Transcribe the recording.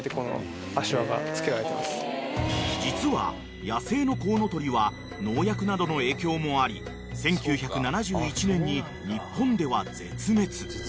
［実は野生のコウノトリは農薬などの影響もあり１９７１年に日本では絶滅］